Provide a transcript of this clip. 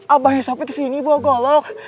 abah esopik kesini bawa golok